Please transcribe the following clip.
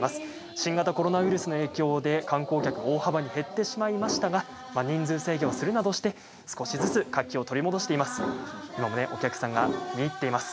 新型コロナウイルスの影響で観光客大幅に減ってしまいましたが人数制限をするなどして少しずつ活気を取り戻しています。